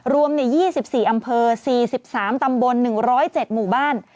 รวม๒๔อำเภอ๔๓ตำบล๑๐๗หมู่บ้าน